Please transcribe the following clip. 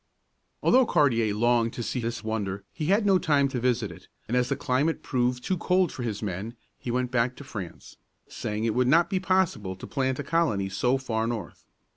Although Cartier longed to see this wonder, he had no time to visit it, and as the climate proved too cold for his men, he went back to France, saying it would not be possible to plant a colony so far north.